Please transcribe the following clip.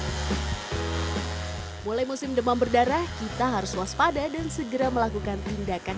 mulai musim demam berdarah kita harus waspada dan segera melakukan tindakan